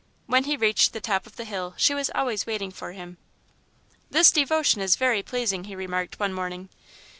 When he reached the top of the hill, she was always waiting for him. "This devotion is very pleasing," he remarked, one morning.